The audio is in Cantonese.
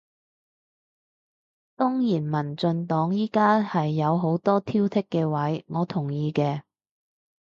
當然民進黨而家係有好多挑剔嘅位，我同意嘅